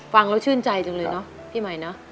ฟังแล้วชื่นใจจังเลยเนอะพี่ใหม่เนอะ